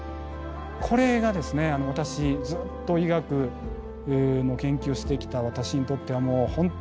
これがですね私ずっと医学の研究をしてきた私にとってはもう本当目からうろこでした。